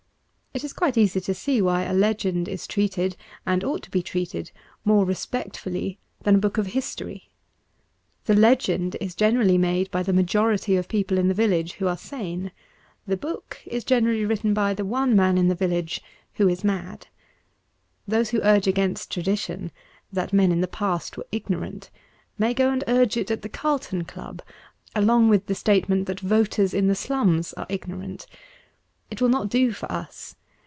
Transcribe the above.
It is quite easy to see why a legend is treated, and ought to be treated, more respectfully than a book of history. The legend is generally made by the majority of people in the village, who are sane. The book is generally written by the one man in the village, who is mad. Those who urge against tradition — that men in the past were ignorant — may go and urge it at the Carlton Club, along with the statement that voters in the slums are ignorant. It will not do for us.